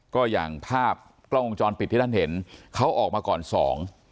ก็อย่างภาพกล้องวงจรปิดที่ท่านเห็นเขาออกมาก่อนสอง